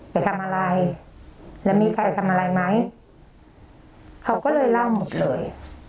ไปทำอะไรแล้วมีใครทำอะไรไหมเขาก็เลยเล่าหมดเลย